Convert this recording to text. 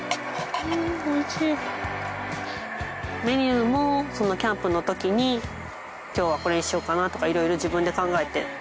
メニューもキャンプのときに今日はこれにしようかなとかいろいろ自分で考えて。